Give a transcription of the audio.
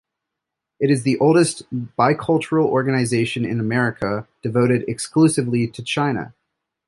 It is the oldest bicultural organization in America devoted exclusively to China.